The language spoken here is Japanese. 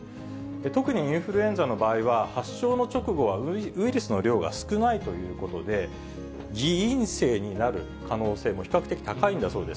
特にインフルエンザの場合は、発症の直後はウイルスの量が少ないということで、偽陰性になる可能性も比較的高いんだそうです。